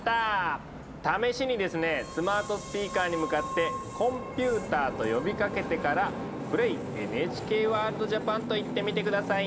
試しにですねスマートスピーカーに向かって「コンピューター」と呼びかけてから「Ｐｌａｙ『ＮＨＫＷＯＲＬＤーＪＡＰＡＮ』」と言ってみて下さい。